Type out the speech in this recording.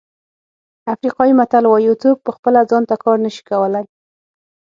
افریقایي متل وایي یو څوک په خپله ځان ته کار نه شي کولای.